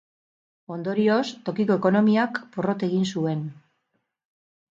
Ondorioz, tokiko ekonomiak porrot egin zuen.